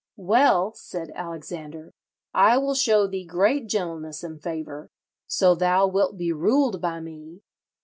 'Well,' said Alexander, 'I will show thee great gentleness and favour, so thou wilt be ruled by me.'